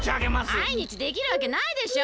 まいにちできるわけないでしょ。